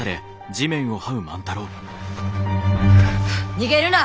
逃げるな！